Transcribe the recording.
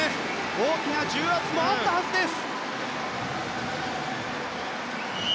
大きな重圧もあったはずです。